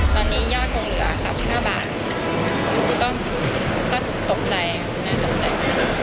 ตอนนี้ยาดคงเหลือ๓๕บาทก็ตกใจครับ